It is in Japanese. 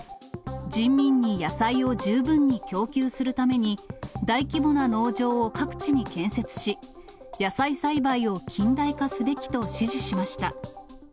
人民に野菜を十分に供給するために、大規模な農場を各地に建設し、野菜栽培を近代化すべきと指示しました。